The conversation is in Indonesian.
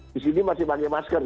di sini masih pakai masker